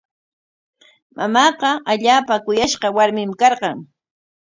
Mamaaqa allaapa kuyashqa warmin karqan.